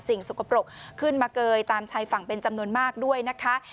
สกปรกขึ้นมาเกยตามชายฝั่งเป็นจำนวนมากด้วยนะคะ